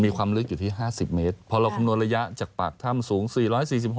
ความลึกอยู่ที่๕๐เมตรพอเราคำนวณระยะจากปากถ้ำสูง๔๔๖